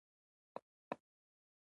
پښتو به کارېدلې وي.